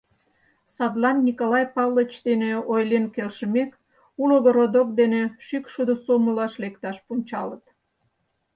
Садлан Николай Павлович дене ойлен келшымек, уло городок дене шӱкшудо сомылаш лекташ пунчалыт.